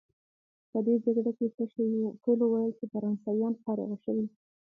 په دې جګړه کې څه شوي وو؟ ټولو ویل چې فرانسویان فارغه شوي.